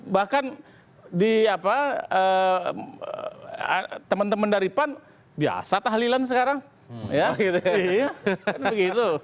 bahkan teman teman dari pan biasa tahlilan sekarang